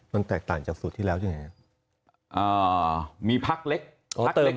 มันแตกต่างจากสูตรที่แล้วใช่ไหม